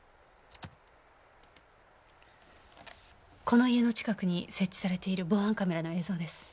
この家の近くに設置されている防犯カメラの映像です。